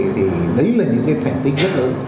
thì đấy là những cái thành tích rất lớn